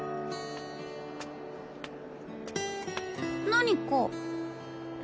何か？